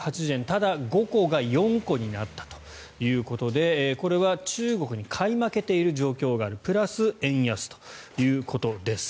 ただ、５個が４個になったということでこれは中国に買い負けている状況があるプラス円安ということです。